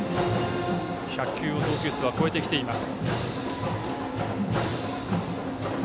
１００球を投球数超えてきています。